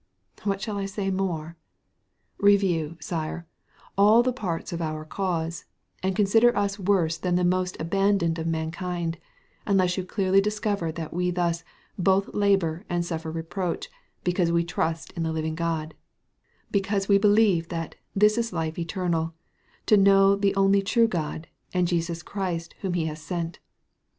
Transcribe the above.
What shall I say more? Review, Sire, all the parts of our cause, and consider us worse than the most abandoned of mankind, unless you clearly discover that we thus "both labor and suffer reproach, because we trust in the living God," because we believe that "this is life eternal, to know the only true God, and Jesus Christ whom he hath sent."